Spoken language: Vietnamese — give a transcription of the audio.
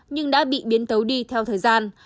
nhưng đã bị biến tấu đi theo thời gian